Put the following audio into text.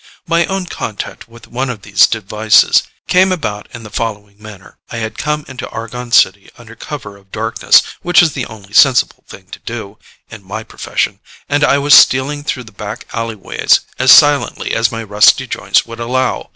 My own contact with one of these devices came about in the following manner: I had come into Argon City under cover of darkness, which is the only sensible thing to do, in my profession, and I was stealing through the back alleyways as silently as my rusty joints would allow.